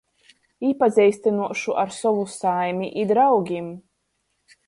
Īpazeistynuošu ar sovu saimi i draugim.